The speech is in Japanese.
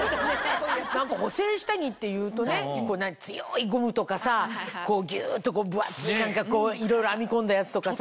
何か補整下着っていうとね強いゴムとかさぎゅっと分厚い何かこういろいろ編み込んだやつとかさ。